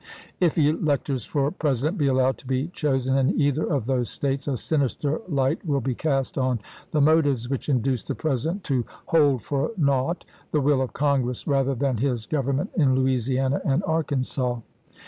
.. If electors for Presi dent be allowed to be chosen in either of those States, a sinister light will be cast on the motives which induced the President to 'hold for naught' the will of Congress rather than his government in Louisiana and Arkansas."